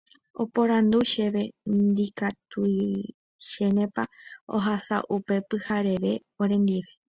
Oporandu chéve ndikatuichénepa ohasa upe pyhareve orendive.